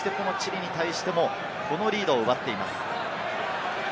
そしてこのチリに対してもこのリードを奪っています。